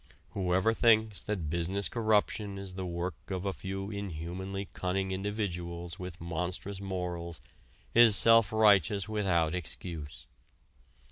Whoever thinks that business corruption is the work of a few inhumanly cunning individuals with monstrous morals is self righteous without excuse.